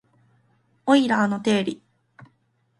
オイラーの定理